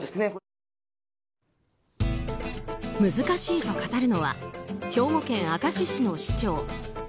難しいと語るのは兵庫県明石市の市長。